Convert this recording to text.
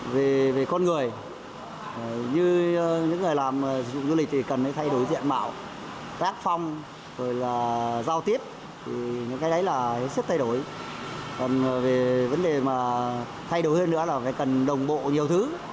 vấn đề mà thay đổi hơn nữa là phải cần đồng bộ nhiều thứ